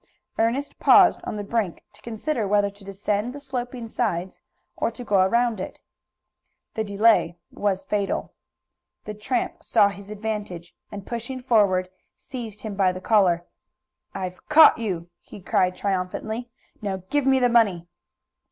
Ernest paused on the brink to consider whether to descend the sloping sides or to go round it. The delay was fatal. The tramp saw his advantage, and pushing forward seized him by the collar. "I've caught you!" he cried triumphantly. "Now give me the money!"